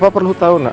papa perlu tau nak